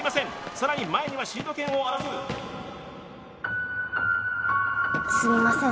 更に前にはシード権を争うすみません